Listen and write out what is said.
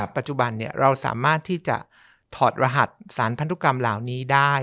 ปัจจุบันเราสามารถที่จะถอดรหัสสารพันธุกรรมเหล่านี้ได้